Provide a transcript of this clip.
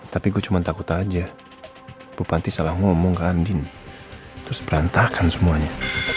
tapi gue cuma takut aja bu panti salah ngomong ke andin terus berantakan semuanya